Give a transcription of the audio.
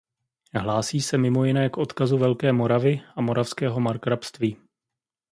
Hlásí se mimo jiné k odkazu Velké Moravy a Moravského markrabství.